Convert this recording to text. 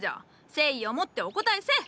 誠意をもってお答えせえ！